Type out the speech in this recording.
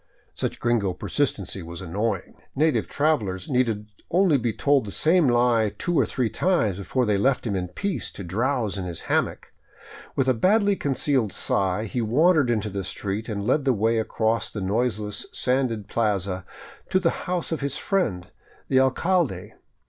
Such gringo persistency was annoying. Native travelers needed only to be told the same lie two or three times before they left him in peace to drowse in his hammock. With a badly concealed sigh he wandered into the street, and led the way across the noiseless sanded plaza to the house of his friend the alcalde.